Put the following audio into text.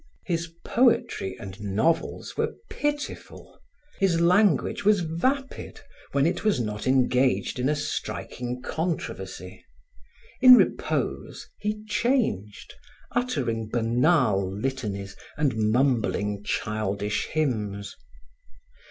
His poetry and novels were pitiful. His language was vapid, when it was not engaged in a striking controversy. In repose, he changed, uttering banal litanies and mumbling childish hymns.